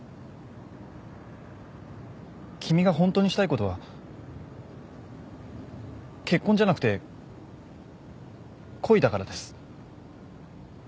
君が本当にしたいことは結婚じゃなくて恋だからです。